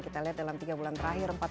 kita lihat dalam tiga bulan terakhir